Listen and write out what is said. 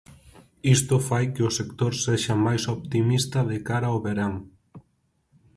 Isto fai que o sector sexa máis optimista de cara ao verán.